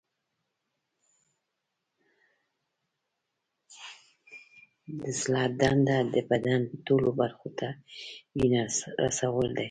د زړه دنده د بدن ټولو برخو ته وینه رسول دي.